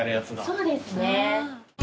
そうですね。